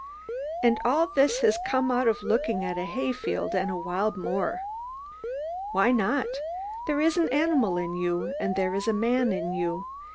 And all this has come out of looking at the hay field and the wild moor. Why not? There is an animal in you, and there is a man in you.